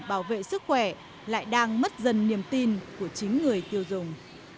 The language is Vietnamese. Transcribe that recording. bảo vệ sức khỏe lại đang mất dần niềm tin của chính người tiêu dùng